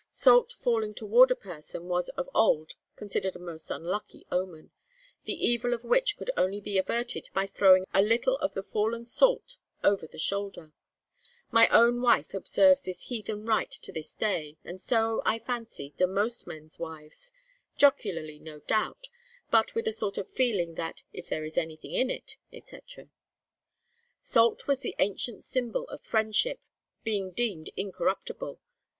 Salt falling toward a person was of old considered a most unlucky omen, the evil of which could only be averted by throwing a little of the fallen salt over the shoulder. My own wife observes this heathen rite to this day, and so, I fancy, do most men's wives jocularly, no doubt, but with a sort of feeling that 'if there is anything in it,' &c. Salt was the ancient symbol of friendship, being deemed incorruptible.